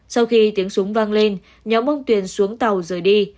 sau khi tiếng súng vang lên nhóm ông tuyền xuống tàu rời đi